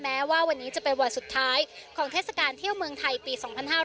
แม้ว่าวันนี้จะเป็นวันสุดท้ายของเทศกาลเที่ยวเมืองไทยปี๒๕๕๙